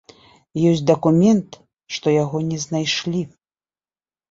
Ёсць дакумент, што яго не знайшлі.